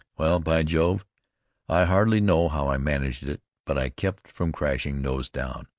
Well, by Jove! I hardly know how I managed it, but I kept from crashing nose down.